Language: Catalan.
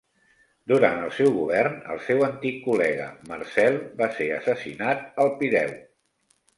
Durant el seu govern el seu antic col·lega Marcel va ser assassinat al Pireu.